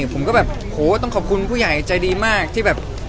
คือเอาน้องเรามาเข้าฉากอะไรด้วยบ้าง